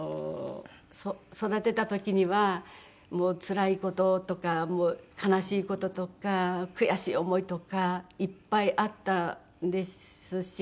育てた時にはつらい事とか悲しい事とか悔しい思いとかいっぱいあったですし。